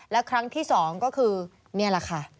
และครั้งที่๒ก็คือนี่แหละค่ะ